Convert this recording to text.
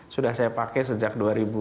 sudah saya pakai sejak dua ribu